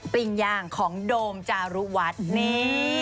ปิ้งย่างของโดมจารุวัฒน์นี่